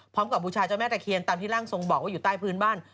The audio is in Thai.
บูชาเจ้าแม่ตะเคียนตามที่ร่างทรงบอกว่าอยู่ใต้พื้นบ้าน